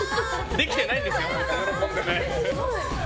できてないんですよ。